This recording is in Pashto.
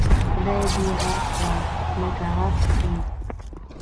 خدای دې غرق کړه لکه غرق چې یې.